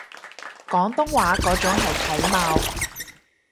廣東話嗰種係體貌